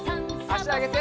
あしあげて。